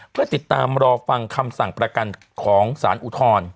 เพื่อติดตามรอฟังคำสั่งประกันของสารอุทธรณ์